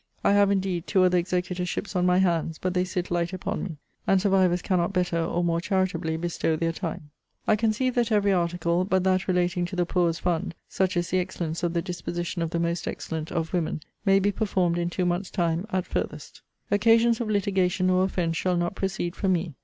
I have, indeed two other executorships on my hands; but they sit light upon me. And survivors cannot better or more charitably bestow their time. I conceive that every article, but that relating to the poor's fund, (such is the excellence of the disposition of the most excellent of women,) may be performed in two months' time, at farthest. Occasions of litigation or offence shall not proceed from me.